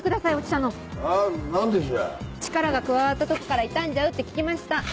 力が加わった時から傷んじゃうって聞きました。